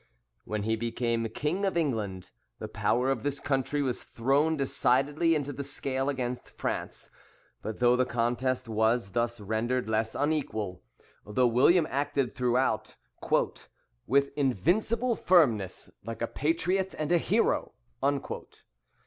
When he became king of England, the power of this country was thrown decidedly into the scale against France; but though the contest was thus rendered less unequal, though William acted throughout "with invincible firmness, like a patriot and a hero," [Bolingbroke, vol, ii, p.404.